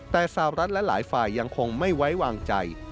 แต่สาวรัฐและหลายฝ่ายยังคงไม่ไว้วางใจ